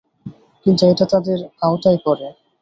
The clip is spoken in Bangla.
কিন্তু ওটা তাদের আওতায় পড়ে।